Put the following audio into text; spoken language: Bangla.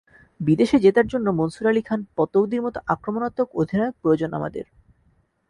বিদেশে জেতার জন্য মনসুর আলী খান পতৌদির মতো আক্রমণাত্মক অধিনায়ক প্রয়োজন আমাদের।